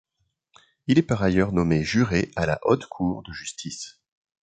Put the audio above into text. Il est par ailleurs nommé juré à la Haute cour de justice.